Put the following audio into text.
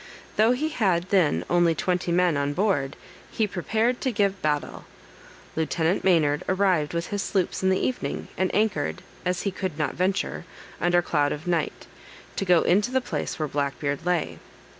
Though he had then only twenty men on board, he prepared to give battle. Lieutenant Maynard arrived with his sloops in the evening, and anchored, as he could not venture, under cloud of night, to go into the place where Black Beard lay.